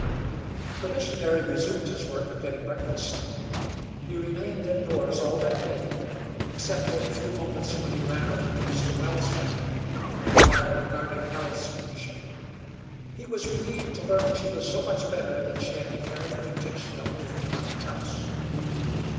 The missionary resumed his work of getting breakfast. He remained in doors all that day, except for the few moments when he ran over to Mr. Wells' cabin to inquire regarding Nell's condition. He was relieved to learn she was so much better that she had declared her intention of moving about the house.